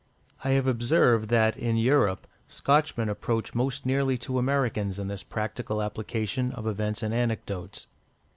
I have observed that, in Europe, Scotchmen approach most nearly to Americans in this practical application of events and anecdotes.